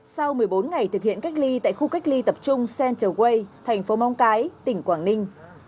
sau một mươi bốn ngày thực hiện cách ly tại khu cách ly tập trung central quay thành phố móng cái tỉnh quảng ninh